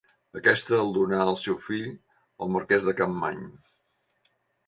Aquesta el donà al seu fill, el marquès de Capmany.